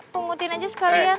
pengutin aja sekalian